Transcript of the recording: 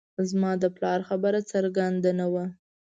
زما د پلار خبره څرګنده نه وه